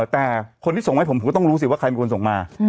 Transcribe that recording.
แต่คนที่ส่งให้ผมผมก็ต้องรู้สิว่าใครเป็นคนส่งมา